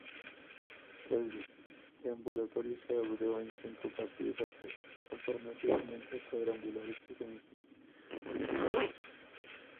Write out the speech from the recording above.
El deambulatorio se abrió en cinco capillas, alternativamente cuadrangulares y semicirculares.